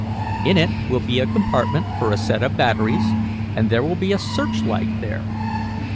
In it will be a compartment for a set of batteries, and there will be a searchlight there.